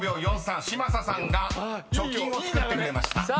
［嶋佐さんが貯金をつくってくれました］